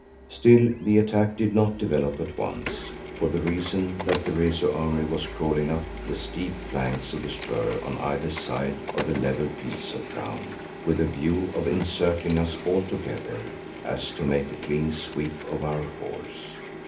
Still the attack did not develop at once, for the reason that the Rezu army was crawling up the steep flanks of the spur on either side of the level piece of ground, with a view of encircling us altogether, so as to make a clean sweep of our force.